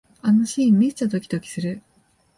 あのシーン、めっちゃドキドキする